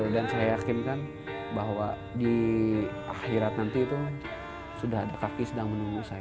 dan saya yakin kan bahwa di akhirat nanti itu sudah ada kaki sedang menunggu saya